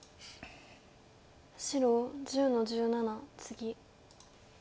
白１０の十七ツギ。